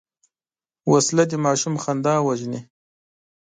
وسله د ماشوم خندا وژني